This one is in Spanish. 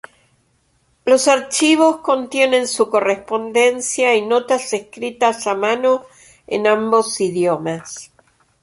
Los archivos contienen su correspondencia y notas escritas a mano en ambos idiomas.